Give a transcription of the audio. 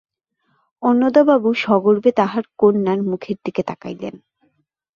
অন্নদাবাবু সগর্বে তাঁহার কন্যার মুখের দিকে তাকাইলেন।